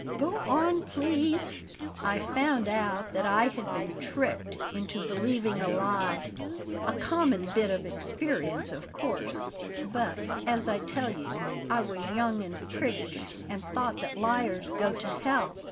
Go on, please." "I found out that I had been tricked into believing a lie; a common bit of experience, of course; but, as I tell you, I was young and priggish, and thought that liars go to hell.